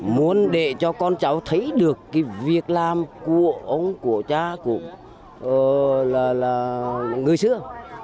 muốn để cho con cháu thấy được cái việc làm của ông của cha của là người xưa